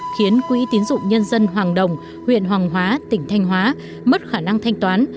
khiến quỹ tín dụng nhân dân hoàng đồng huyện hoàng hóa tỉnh thanh hóa mất khả năng thanh toán